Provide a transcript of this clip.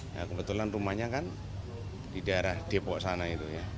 nah kebetulan rumahnya kan di daerah depok sana itu ya